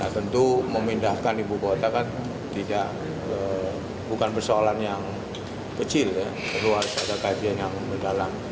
tentu memindahkan ibu kota kan bukan persoalan yang kecil luar sejauh kajian yang berdalam